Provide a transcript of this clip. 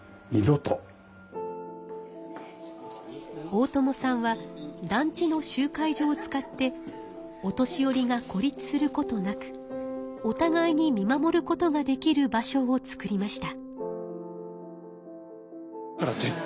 大友さんは団地の集会所を使ってお年寄りが孤立することなくおたがいに見守ることができる場所を作りました。